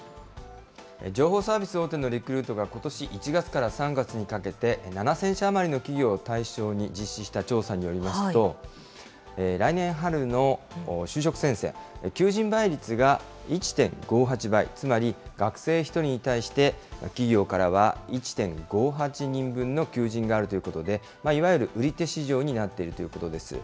情報サービス大手のリクルートが、ことし１月から３月にかけて７０００社余りの企業を対象に実施した調査によりますと、来年春の就職戦線、求人倍率が１．５８倍、つまり学生１人に対して、企業からは１．５８人分の求人があるということで、いわゆる売手市場になっているということです。